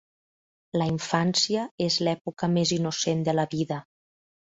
La infància és l'època més innocent de la vida.